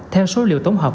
theo số liệu tổng hợp